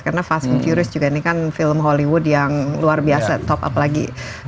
karena fast and furious ini kan film hollywood yang luar biasa top up lagi